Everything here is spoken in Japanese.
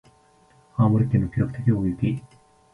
青森県の記録的大雪